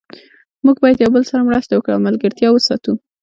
موږ باید یو بل سره مرسته وکړو او ملګرتیا وساتو